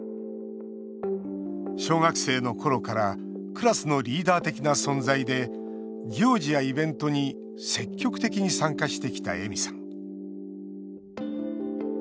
小学生のころからクラスのリーダー的な存在で行事やイベントに積極的に参加してきた、えみさん。